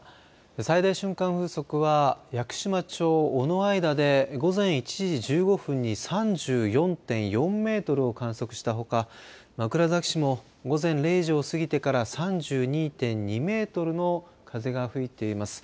最大瞬間風速は屋久島町尾之間で午前１時１５分に３４．４メートルを観測したほか枕崎市も午前０時を過ぎてから３２．２メートルの風が吹いています。